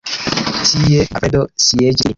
Tie Alfredo sieĝis ilin.